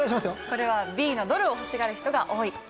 これはＢのドルを欲しがる人が多い。